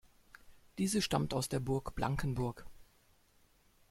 Diese stammt aus der Burg Blankenburg.